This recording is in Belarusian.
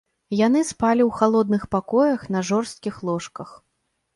Яны спалі ў халодных пакоях на жорсткіх ложках.